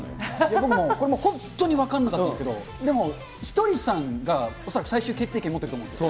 僕も、これもう本当に分かんなかったんですけど、でもひとりさんが、恐らく最終決定権持ってると思うんですよ。